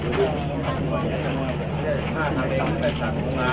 เมืองอัศวินธรรมดาคือสถานที่สุดท้ายของเมืองอัศวินธรรมดา